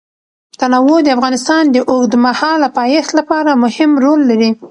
تنوع د افغانستان د اوږدمهاله پایښت لپاره مهم رول لري.